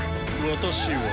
私は。